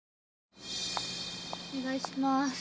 お願いします。